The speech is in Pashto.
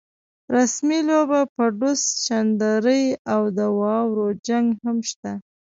رسمۍ لوبه، پډوس، چندرۍ او د واورو جنګ هم شته.